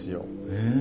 へえ。